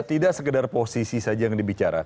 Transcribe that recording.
tidak sekedar posisi saja yang dibicara